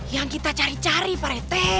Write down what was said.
yang kita cari cari pak rete